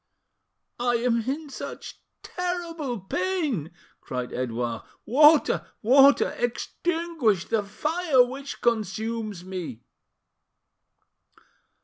"I am in such terrible pain!" cried Edouard. "Water! water! Extinguish the fire which consumes me!"